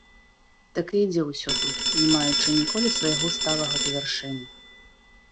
Так і ідзе ўсё тут, не маючы ніколі свайго сталага завяршэння.